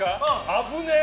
危ねえ！